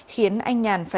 khiến anh nhàn phải bỏ chạy